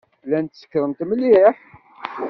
Llant sekṛent mliḥ.